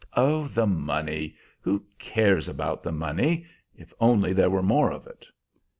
"Oh, the money! Who cares about the money? if only there were more of it."